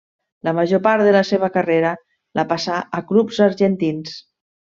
La major part de la seva carrera la passà a clubs argentins.